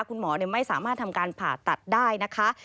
คุณหมอไม่สามารถทำการผ่าตัดได้นะคะ